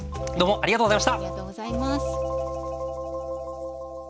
ありがとうございます。